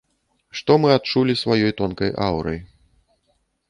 Што мы адчулі сваёй тонкай аўрай.